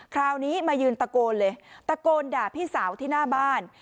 คราวนี้มายืนตะโกนเลยตะโกนด่าพี่สาวที่หน้าบ้าน